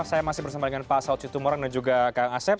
saya masih bersama dengan pak saud situmorang dan juga kang asep